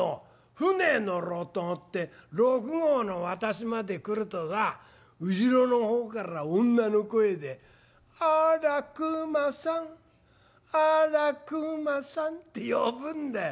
舟乗ろうと思って六郷の渡しまで来るとさ後ろの方から女の声で『あら熊さんあら熊さん』って呼ぶんだよ。